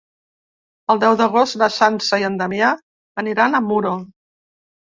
El deu d'agost na Sança i en Damià aniran a Muro.